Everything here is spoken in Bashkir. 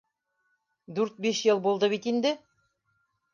Дүрт-биш йыл булды бит инде.